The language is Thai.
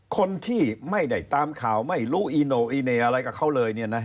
คนที่ไม่ได้ตามข่าวไม่รู้อีโน่อีเน่อะไรกับเขาเลยเนี่ยนะ